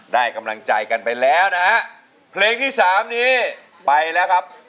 ได้กำลังใจกันไปแล้วนะฮะเพลงที่สามนี้ไปแล้วครับ